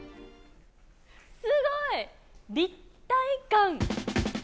すごい！立体感。